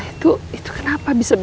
itu itu kenapa bisa